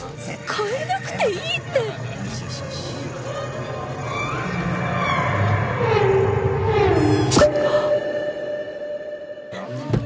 変えなくていいってはっ！